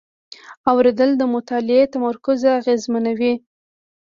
اورېدل د مطالعې تمرکز اغېزمنوي.